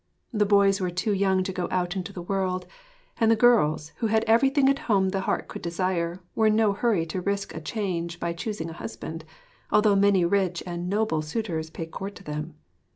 The boys were too young to go out in the world; and the girls, who had everything at home the heart could desire, were in no hurry to risk a change by choosing a husband, although many rich and noble suitors paid court to them.